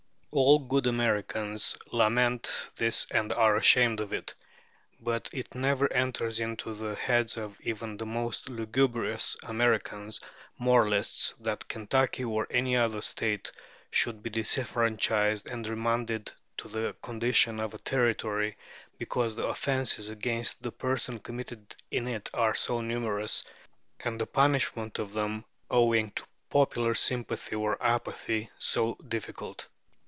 All good Americans lament this and are ashamed of it, but it never enters into the heads of even the most lugubrious American moralists that Kentucky or any other State should be disfranchised and remanded to the condition of a Territory, because the offences against the person committed in it are so numerous, and the punishment of them, owing to popular sympathy or apathy, so difficult.